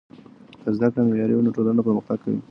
که زده کړه معیاري وي نو ټولنه پرمختګ کوي.